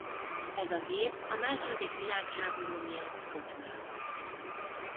Ez a gép a második világháború miatt ott maradt.